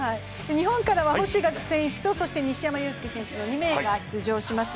日本からは星岳選手と西山雄介選手の２名が出場します。